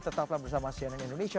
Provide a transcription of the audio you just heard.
tetaplah bersama sian dan indonesia